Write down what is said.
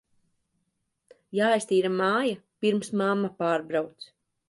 Jāiztīra māja, pirms mamma pārbrauc.